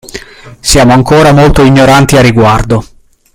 siamo ancora molto ignoranti a riguardo.